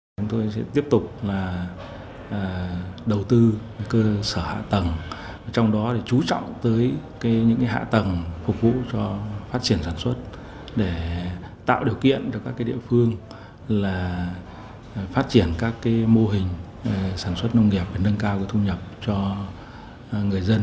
đặc biệt là các địa phương phát triển các mô hình sản xuất nông nghiệp để nâng cao thu nhập cho người dân